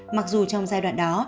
mặc dù trong giai đoạn đó